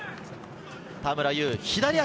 田村優、左足。